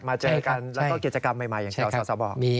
เจอกันแล้วก็กิจกรรมใหม่อย่างที่สสบอก